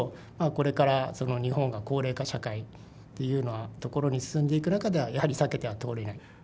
これからその日本が高齢化社会っていうようなところに進んでいく中ではやはり避けては通れない。